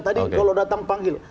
tadi kalau datang panggil